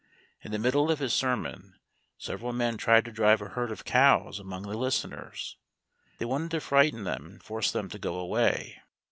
In the middle of his sermon, several men tried to drive a herd of cows among the listeners. They wanted to frighten them, and force them to go away.